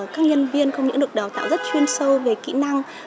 các nhân viên không những được đào tạo rất chuyên sâu về kỹ năng